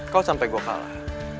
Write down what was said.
kau sampe gue kalah